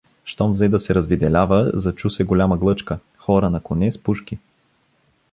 Щом взе да се развиделява, зачу се голяма глъчка: хора на коне, с пушки.